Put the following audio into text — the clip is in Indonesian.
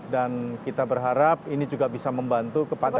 dan kita berharap ini juga bisa membantu kepadatan